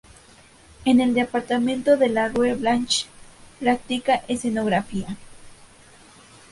En el departamento de la Rue Blanche practica Escenografía.